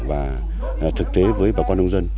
và thực tế với bà con nông dân